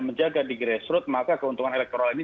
menjaga di grassroot maka keuntungan elektoral ini